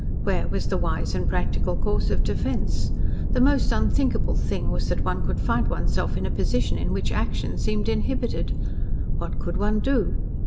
Where was the wise and practical course of defence? The most unthinkable thing was that one could find one's self in a position in which action seemed inhibited. What could one do?